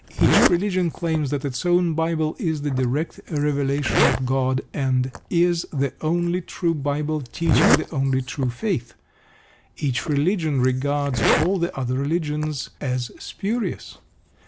Each religion claims that its own Bible is the direct revelation of God, and is the only true Bible teaching the only true faith. Each religion regards all the other religions as spurious.